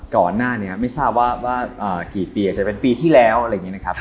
ก่อนหน้านี้ไม่ทราบว่ากี่ปีอาจจะเป็นปีที่แล้วอะไรอย่างนี้นะครับ